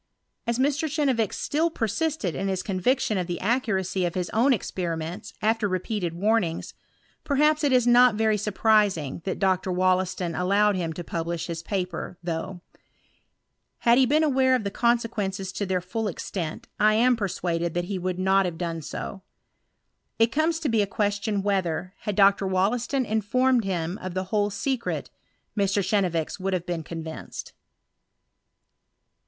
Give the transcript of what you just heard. As Mr. Chenevix still persisted in his conviction of the accuracy of his own experiments after repeated warnings, perhaps it is not very surprising that Dr. Wollaston allowed him to publish his paper, though ; had he been aware of the consequences to their full extent, I am persuaded that he would not have done so. It comes to be a question whether, had Dr. WollEiston informed him of the whole secret, Mr. Chenevix would have been convinced.